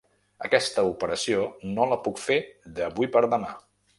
Aquesta operació no la puc fer d'avui per demà.